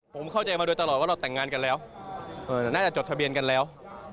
ผมเข้าใจมาโดยตลอดว่าเราแต่งงานกันแล้วน่าจะจดทะเบียนกันแล้ว